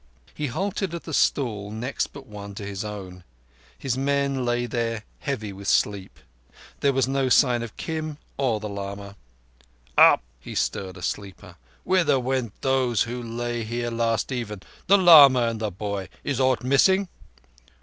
He halted at the stall next but one to his own. His men lay there heavy with sleep. There was no sign of Kim or the lama. "Up!" He stirred a sleeper. "Whither went those who lay here last even—the lama and the boy? Is aught missing?"